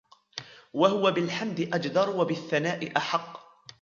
وَهُوَ بِالْحَمْدِ أَجْدَرُ وَبِالثَّنَاءِ أَحَقُّ